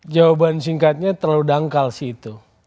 jawaban singkatnya terlalu dangkal sih itu